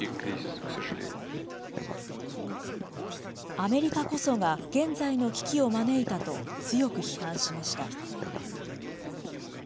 アメリカこそが現在の危機を招いたと強く批判しました。